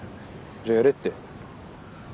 じゃあやれって。